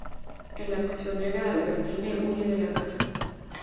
En la "Prisionera", Albertine huye de la casa.